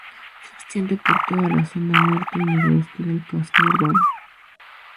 Se extiende por toda la zona norte y noroeste del casco urbano.